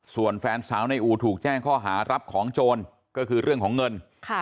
ส่วนแฟนสาวในอู่ถูกแจ้งข้อหารับของโจรก็คือเรื่องของเงิน